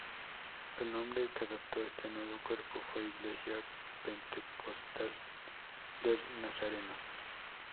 El nombre que adoptó este nuevo cuerpo fue Iglesia Pentecostal del Nazareno.